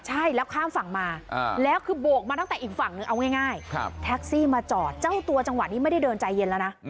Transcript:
ใช่แล้วข้ามฝั่งมาแล้วคือโบกมาตั้งแต่อีกฝั่งนึงเอาง่ายแท็กซี่มาจอดเจ้าตัวจังหวะนี้ไม่ได้เดินใจเย็นแล้วนะ